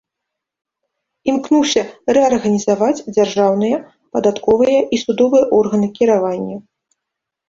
Імкнуўся рэарганізаваць дзяржаўныя, падатковыя і судовыя органы кіравання.